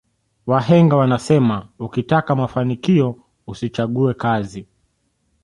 wahenga wanasema ukitaka mafanikio usichague kazi